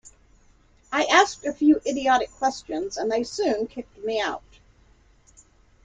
I asked a few idiotic questions, and they soon kicked me out.